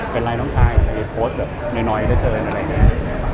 เป็นไรน้องชายไปโพสต์แบบน้อยเหลือเกินอะไรอย่างนี้